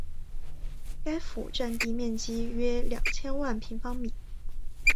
该府第占地面积约两千平方米。